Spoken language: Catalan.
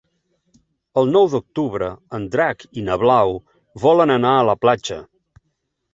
El nou d'octubre en Drac i na Blau volen anar a la platja.